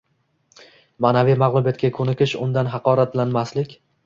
Ma’naviy mag’lubiyatga ko’nikish, undan haqoratlanmaslik